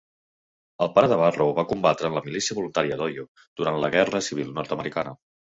El pare de Barrow va combatre en la Milícia voluntària d'Ohio durant la Guerra Civil Nord-americana.